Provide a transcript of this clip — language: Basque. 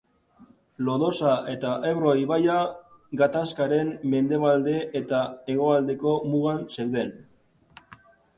Lodosa eta Ebro ibaia gatazkaren mendebalde eta hegoaldeko mugan zeuden.